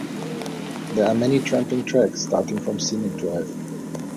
There are many tramping tracks starting from Scenic Drive.